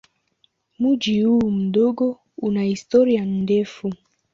Mji huu mdogo una historia ndefu.